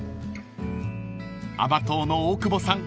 ［甘党の大久保さん